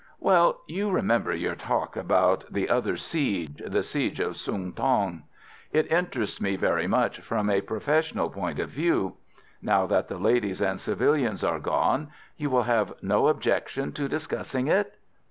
"Well, you remember your talk about the other siege—the siege of Sung tong. It interests me very much from a professional point of view. Now that the ladies and civilians are gone you will have no objection to discussing it."